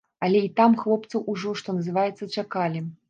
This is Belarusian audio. Але і там хлопцаў ужо, што называецца, чакалі.